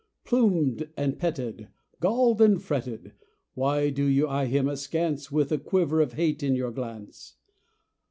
Plumed and petted, Galled and fretted! Why do you eye him askance With a quiver of hate in your glance?